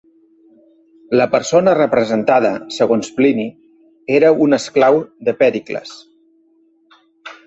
La persona representada, segons Plini, era un esclau de Pèricles.